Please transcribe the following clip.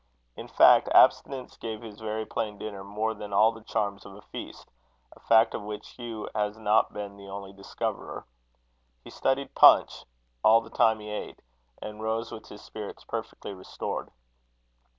In fact, abstinence gave his very plain dinner more than all the charms of a feast a fact of which Hugh has not been the only discoverer. He studied Punch all the time he ate, and rose with his spirits perfectly restored.